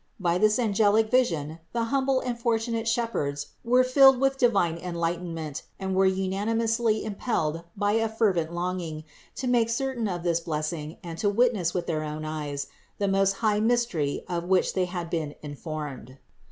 By this angelic vision the humble and fortunate shepherds were filled with divine enlightenment and were unanimously impelled by a fervent longing to make certain of this blessing and to witness with their own eyes the most high mystery of which they had been informed.